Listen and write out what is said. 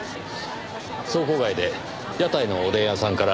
倉庫街で屋台のおでん屋さんから伺いました。